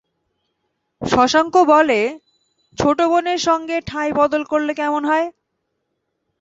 শশাঙ্ক বলে, ছোটো বোনের সঙ্গে ঠাঁই বদল করলে কেমন হয়।